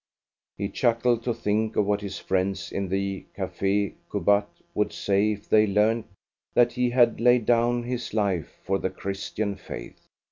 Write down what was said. He chuckled to think of what his friends in the Café Cubat would say if they learned that he had laid down his life for the Christian faith.